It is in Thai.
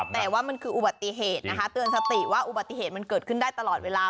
แต่ว่ามันคืออุบัติเหตุนะคะเตือนสติว่าอุบัติเหตุมันเกิดขึ้นได้ตลอดเวลา